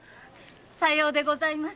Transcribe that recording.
さようでございます。